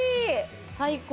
最高！